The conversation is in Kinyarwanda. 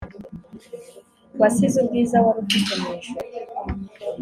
wasize ubwiza warufite mwijurru